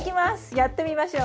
やってみましょう。